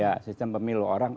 ya sistem pemilu orang